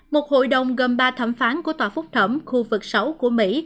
một hội đồng gồm ba thẩm phán của tòa phúc thẩm khu vực sáu của mỹ